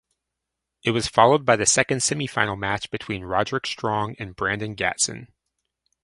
It was followed by the second semifinal match between Roderick Strong and Brandon Gatson.